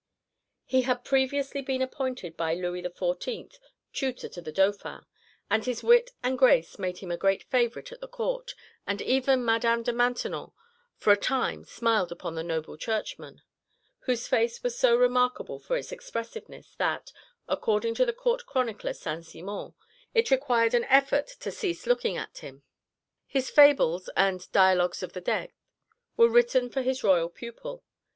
He had previously been appointed by Louis XIV. tutor to the Dauphin, and his wit and grace made him a great favourite at the Court, and even Madame de Maintenon for a time smiled upon the noble churchman, whose face was so remarkable for its expressiveness that, according to the Court chronicler Saint Simon, "it required an effort to cease looking at him." His Fables and Dialogues of the Dead were written for his royal pupil.